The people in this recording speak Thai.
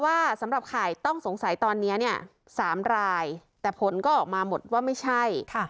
สำหรับข่ายต้องสงสัยตอนนี้เนี่ย๓รายแต่ผลก็ออกมาหมดว่าไม่ใช่